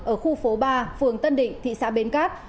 ở khu phố ba phường tân định thị xã bến cát